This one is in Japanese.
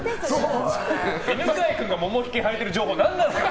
犬飼君がももひきをはいている情報、何なんですか。